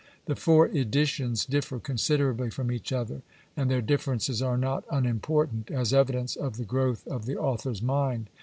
The four editions differ considerably from each other and their differences are not unimportant, as evidence of the growth of the author's mind.